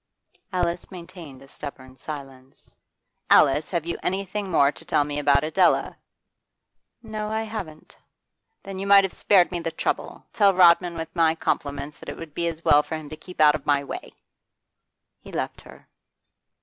Alice maintained a stubborn silence. 'Alice, have you anything more to tell me about Adela?' 'No, I haven't.' 'Then you might have spared me the trouble. Tell Rodman with my compliments that it would be as well for him to keep out of my way.' He left her.